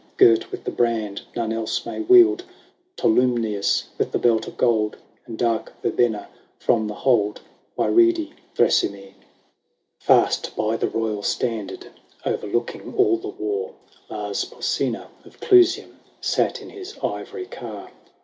Girt with the brand none else may wield. HORATIUS. 55 Tolumnius with the belt of gold, And dark Yerbenna from the hold By reedy Thrasymene. XXIV. Fast by the royal standard, O'erlooking all the war, Lars Porsena of Clusium Sat in his ivory car.